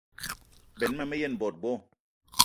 Benn ma me yen bot bo.